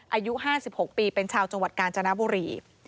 อายุ๕๖ปีเป็นชาวจังหวัดกาญจนบุรี